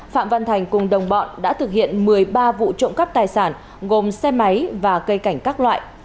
phạm văn thành cùng đồng bọn đã thực hiện một mươi ba vụ trộm cắp tài sản gồm xe máy và cây cảnh các loại